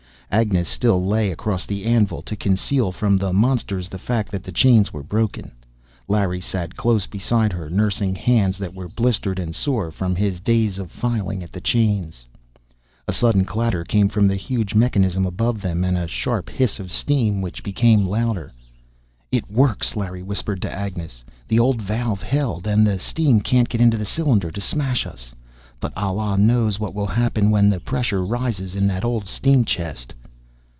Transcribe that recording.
Agnes still lay across the anvil, to conceal from the monsters the fact that the chains were broken. Larry sat close beside her, nursing hands that were blistered and sore from his days of filing at the chains. A sudden clatter came from the huge mechanism above them, and a sharp hiss of steam, which became louder. "It works!" Larry whispered to Agnes. "The old valve held, and the steam can't get into the cylinder to smash us! But Allah knows what will happen when the pressure rises in that old steam chest!"